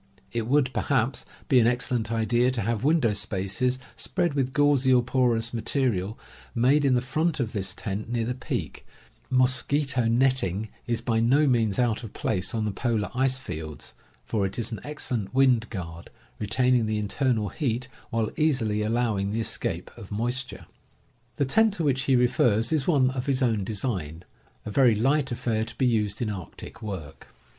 It would, perhaps, be an excellent idea to have window spaces, spread with gauzy or porous material, made in the front of this tent near the peak — mosquito netting is by no means out of place on the polar ice fields, for it is an excellent wind guard, retaining the internal heat, while easily allowing the escape of moisture." TENTS AND TOOLS 41 The tent to which he refers is one of his own design, a very Hght affair to be used in arctic work.